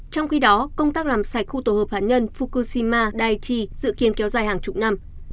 trong khi đó công tác làm sạch khu tổ hợp hạt nhân fukushima daichi dự kiến kéo dài hàng chục năm